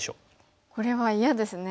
これは嫌ですね。